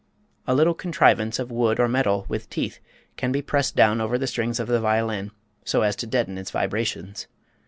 A little contrivance of wood or metal, with teeth, can be pressed down over the strings of the violin so as to deaden its vibrations.